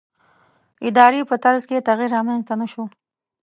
ادارې په طرز کې تغییر رامنځته نه شو.